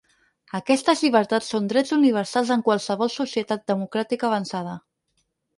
Aquestes llibertats són drets universals en qualsevol societat democràtica avançada.